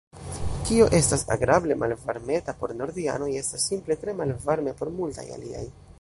Kio estas agrable malvarmeta por nordianoj, estas simple tre malvarme por multaj aliaj.